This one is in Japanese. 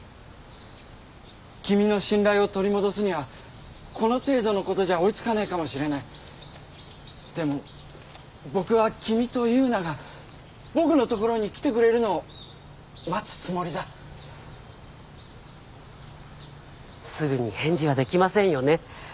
⁉君の信頼を取り戻すにはこの程度のことじゃ追いつかないかもしれないでも僕は君と優奈が僕のところに来てくれるのを待つつもりだすぐに返事はできませんよね